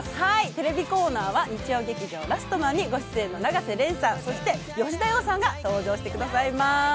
テレビコーナーは日曜劇場「ラストマン」にご出演の永瀬廉さんと吉田羊さんが登場してくださいます。